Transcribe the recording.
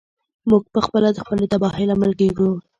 موږ پخپله د خپلې تباهۍ لامل کیږو.